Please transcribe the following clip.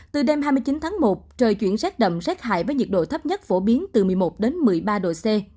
từ đêm hai mươi chín tháng một trời chuyển rét đậm rét hại với nhiệt độ thấp nhất phổ biến từ một mươi một một mươi ba độ c